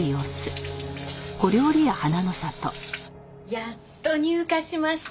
やっと入荷しました。